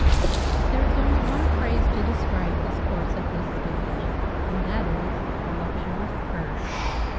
There is only one phrase to describe his course at this stage, and that is voluptuous curves.